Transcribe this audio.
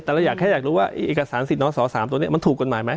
แต่เราอยากแค่อยากรู้ว่าเอกสารสิทธินส๓ตัวนี้มันถูกกฎหมายไหม